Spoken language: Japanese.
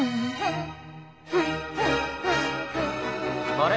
あれ？